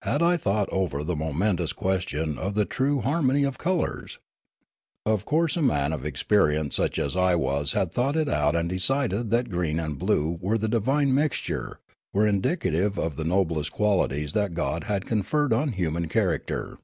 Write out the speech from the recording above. Had I thought over the momentous question of the true har mony of colours ? Of course a man of experience such as I was had thought it out and decided that green and blue were the divine mixture, were indicative of the noblest qualities that God had conferred on human character.